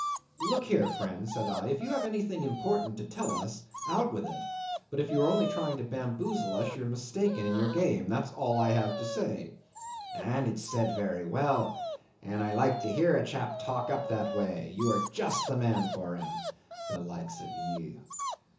"Look here, friend," said I, "if you have anything important to tell us, out with it; but if you are only trying to bamboozle us, you are mistaken in your game; that's all I have to say." "And it's said very well, and I like to hear a chap talk up that way; you are just the man for him—the likes of ye.